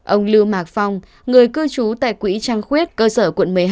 ông lưu mạc phong người cư trú tại quỹ trăng khuyết cơ sở quận một mươi hai